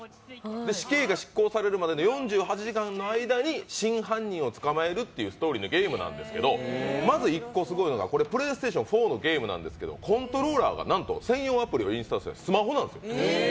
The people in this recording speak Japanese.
死刑が執行されるまでの４８時間の間に真犯人を捕まえるというストーリーのゲームなんですけど、まず１個すごいのが、これプレイステーション４のゲームなんですけどコントローラーが、なんと専用アプリをインストールしたスマホなんです。